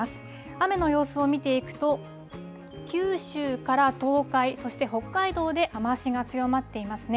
雨の様子を見ていくと九州から東海、そして北海道で雨足が強まっていますね。